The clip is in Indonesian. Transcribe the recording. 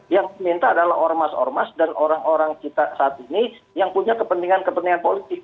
yang diminta adalah ormas ormas dan orang orang kita saat ini yang punya kepentingan kepentingan politik